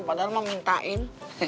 padahal mah mintain